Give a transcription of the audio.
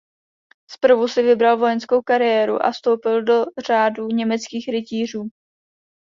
Zprvu si vybral vojenskou kariéru a vstoupil do řádu německých rytířů.